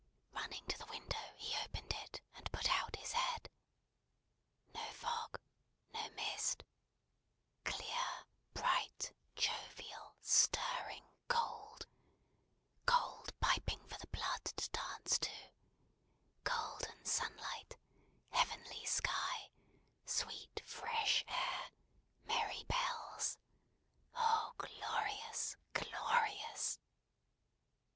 Running to the window, he opened it, and put out his head. No fog, no mist; clear, bright, jovial, stirring, cold; cold, piping for the blood to dance to; Golden sunlight; Heavenly sky; sweet fresh air; merry bells. Oh, glorious! Glorious!